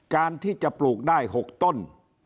การที่จะปลูกได้๖ต้น